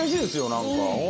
何か。